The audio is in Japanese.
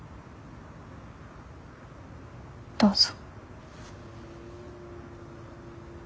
どうぞ。